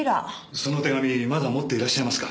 その手紙まだ持っていらっしゃいますか？